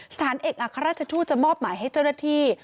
สถานเอกอัครราชทูตจะมอบหมายให้เจ้าหน้าที่